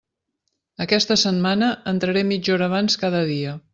Aquesta setmana entraré mitja hora abans cada dia.